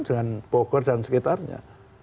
dengan bogor dan sekitarnya